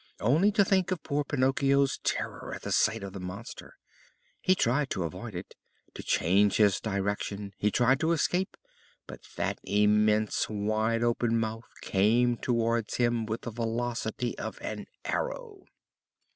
Only to think of poor Pinocchio's terror at the sight of the monster. He tried to avoid it, to change his direction; he tried to escape, but that immense, wide open mouth came towards him with the velocity of an arrow.